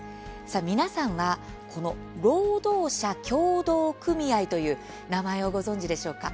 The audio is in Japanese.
皆さんは、労働者協同組合という名前をご存じでしょうか。